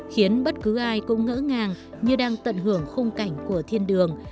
khiến bất cứ ai cũng ngỡ ngàng như đang tận hưởng khung cảnh của thiên đường